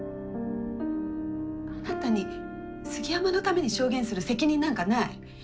あなたに杉山のために証言する責任なんかない。